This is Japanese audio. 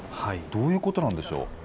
どういうことなんでしょう。